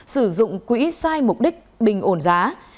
sử dụng quỹ sai mục đích bình ổn giá